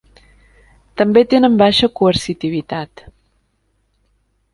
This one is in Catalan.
També tenen baixa coercitivitat.